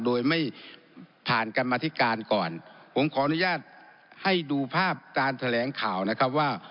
โดยไม่ผ่านกรรมธิการก่อนผมขออนุญาตให้ดูภาพการแถลงข่าวนะครับว่า